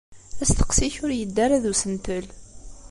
Asteqsi-k ur yeddi ara d usentel.